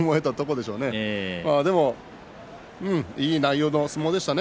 でも、いい内容の相撲でした。